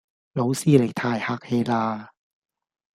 老師你太客氣啦